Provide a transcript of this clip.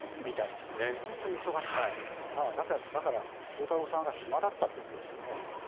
だから、翔太郎さんが暇だったということですよね。